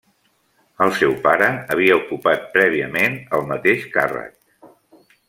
El seu pare havia ocupat prèviament el mateix càrrec.